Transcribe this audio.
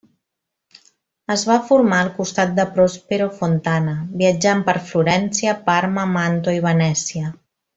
Es va formar al costat de Prospero Fontana, viatjant per Florència, Parma, Màntua i Venècia.